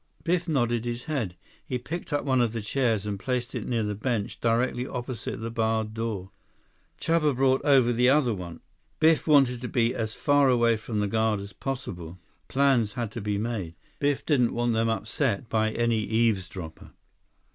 155 Biff nodded his head. He picked up one of the chairs and placed it near the bench directly opposite the barred door. Chuba brought over the other one. Biff wanted to be as far away from the guard as possible. Plans had to be made. Biff didn't want them upset by any eavesdropper.